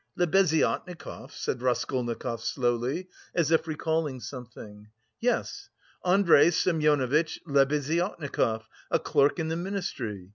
"Lebeziatnikov?" said Raskolnikov slowly, as if recalling something. "Yes, Andrey Semyonovitch Lebeziatnikov, a clerk in the Ministry.